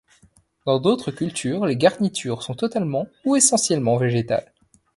Dans d'autres cultures les garnitures sont totalement ou essentiellement végétales.